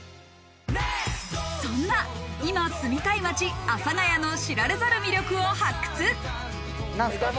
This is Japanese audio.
そんないま住みたい街・阿佐ヶ谷の知られざる魅力を発掘。